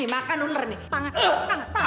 makan ulur nih